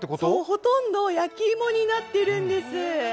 ほとんど焼き芋になっているんです。